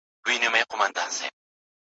ستا د حسن خیال پر انارګل باندي مین کړمه